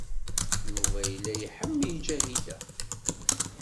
Yuba yella iḥemmel Ǧahida.